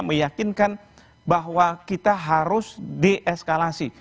meyakinkan bahwa kita harus dieskalasi